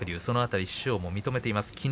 その辺り、師匠も認めています。